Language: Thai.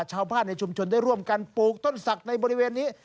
ชาวบ้านในชุมชนได้ร่วมกันปลูกต้นศักดิ์ในบริเวณนี้